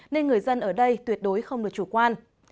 nên người dân ở đây tuyệt đối không được chủ quan